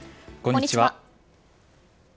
こんにちは。